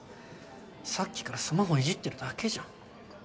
さっきからスマホいじってるだけじゃん。